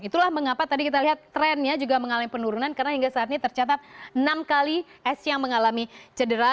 itulah mengapa tadi kita lihat trennya juga mengalami penurunan karena hingga saat ini tercatat enam kali es yang mengalami cedera